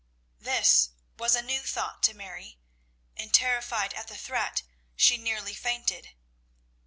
This was a new thought to Mary, and, terrified at the threat, she nearly fainted.